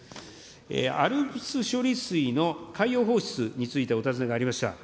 ＡＬＰＳ処理水の海洋放出についてお尋ねがありました。